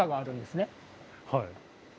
はい。